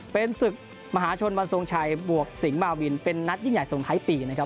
เป็นศึกมหาชนวันทรงชัยบวกสิงหมาวินเป็นนัดยิ่งใหญ่ส่งท้ายปีนะครับ